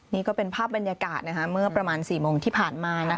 นี่ก็เป็นภาพบรรยากาศเมื่อประมาณ๔โมงที่ผ่านมา